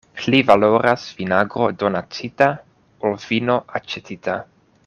Pli valoras vinagro donacita, ol vino aĉetita.